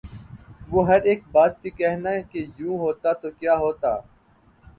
وہ ہر ایک بات پہ کہنا کہ یوں ہوتا تو کیا ہوتا